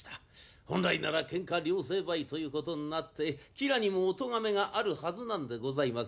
本来ならケンカ両成敗ということになって吉良にもおとがめがあるはずなんでございますが。